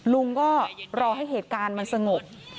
ลุงก็รอให้เหตุการณ์มันสงบ